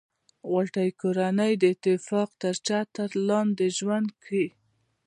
غټۍ کورنۍ د اتفاق تر چتر لاندي ژوند کیي.